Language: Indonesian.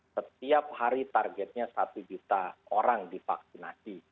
setiap hari targetnya satu juta orang divaksinasi